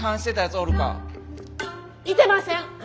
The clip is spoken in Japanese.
いてません。